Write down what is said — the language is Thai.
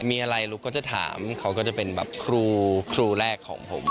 มีอะไรลูกก็จะถามเขาก็จะเป็นแบบครูแรกของผม